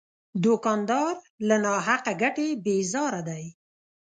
دوکاندار له ناحقه ګټې بیزاره دی.